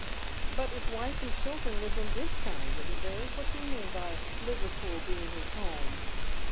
" But his wife and children lived in this town, didn't they ? What do you mean by Liverpool being his home